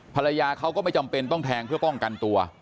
ภรรยาเขาก็ไม่จำเป็นต้องแทงเพื่อป้องกันตัว